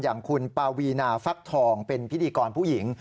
อย่างคุณปาวีนาฟักทองเป็นพิธีกรผู้หญิง